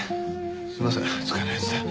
すいません使えない奴で。